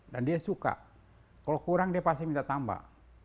dan dia suka kalau kurang dia pasti minta tambah